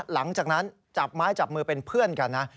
หลังจากนั้นจับไม้จับมือเป็นเพื่อนกันนะ